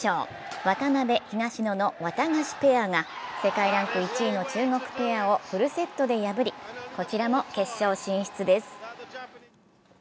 渡辺・東野のワタガシペアが世界ランク１位の中国ペアをフルセットで破りこちらも決勝進出です。